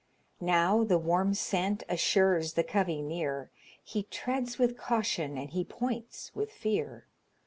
Now the warm scent assures the covey near; He treads with caution, and he points with fear.